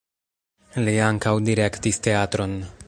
Li ankaŭ direktis teatron.